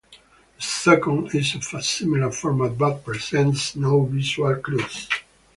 The second is of a similar format but presents no visual clues.